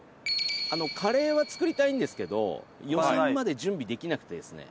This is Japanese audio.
あの、カレーは作りたいんですけど、予算まで準備できなくてですね。